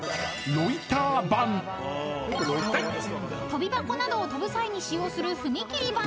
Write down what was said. ［跳び箱などを跳ぶ際に使用する踏み切り板］